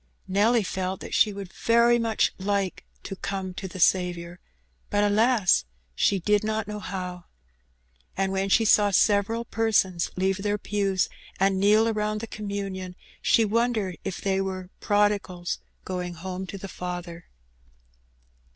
Nelly felt that she would very much like to '^come to the Saviour,'' but, alas ! she did not know how. And when she saw several persons leave their pews and kneel around the communion, she wondered if they were "prodigals going home to the Father."